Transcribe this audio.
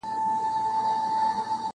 پس له وخته به روان وو كږه غاړه-